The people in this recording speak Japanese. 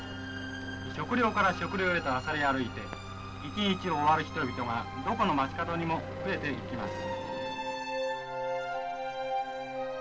食料から食料へとあさり歩いて一日を終わる人々がどこの街角にも増えていきます」。